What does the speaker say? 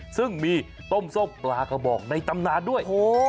ซึ่งมีต้มส้มปลากระบอกในตำนานด้วย